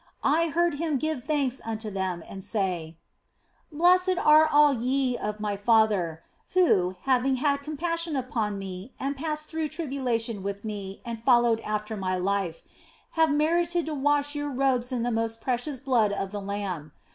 I heard Him give thanks unto them and say :" Blessed are all ye of my Father, who, having had compassion upon Me and passed through tribulation with Me and followed after My life, have merited to wash your robes in the most precious blood of the Lamb.